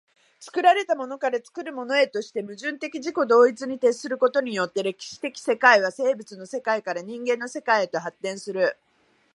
作られたものから作るものへとして、矛盾的自己同一に徹することによって、歴史的世界は生物の世界から人間の世界へと発展する。